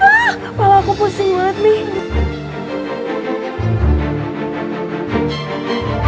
kepala aku pusing banget nih